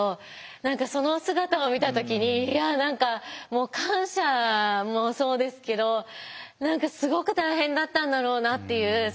何かその姿を見た時にいや何か感謝もそうですけど何かすごく大変だったんだろうなっていう印象があって。